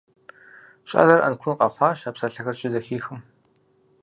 ЩӀалэр Ӏэнкун къэхъуащ, а псалъэхэр щызэхихым.